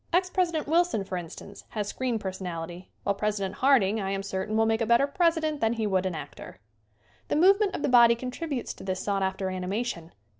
Ex President Wilson, for instance, has screen per sonality while President Harding, I am cer tain, will make a better President than he would an actor. The movement of the body contributes to this sought after animation.